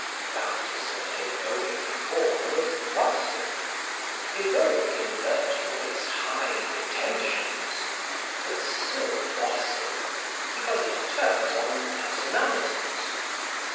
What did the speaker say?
That is the heroic form of gossip; heroic in virtue of its high pretensions; but still gossip, because it turns on personalities.